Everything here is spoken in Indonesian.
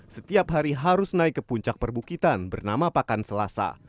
setiap hari harus naik ke puncak perbukitan bernama pakan selasa